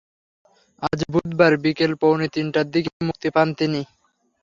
আজ বুধবার বিকেল পৌনে তিনটার দিকে মুক্তি পান তিনি।